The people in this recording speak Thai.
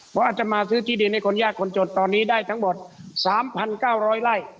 เพราะอาจจะมาซื้อที่ดินให้คนยากคนจดตอนนี้ได้ทั้งหมดสามพันเก้าร้อยไล่